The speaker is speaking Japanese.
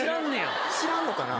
知らんのかな。